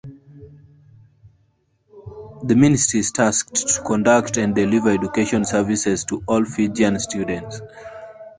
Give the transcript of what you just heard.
The Ministry is tasked to conduct and deliver education services to all Fijian students.